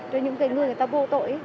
cho những người người ta vô tội